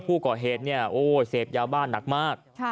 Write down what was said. ผู้ก่อเหตุเนี่ยโอ้เสพยาบ้านหนักมาก